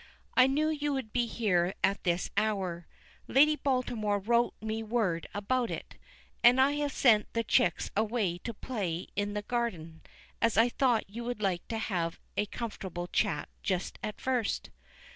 "I knew you would be here at this hour. Lady Baltimore wrote me word about it. And I have sent the chicks away to play in the garden, as I thought you would like to have a comfortable chat just at first."